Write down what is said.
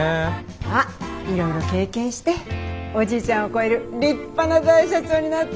まあいろいろ経験しておじいちゃんを超える立派な大社長になってね。